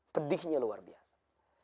pedihnya luar biasa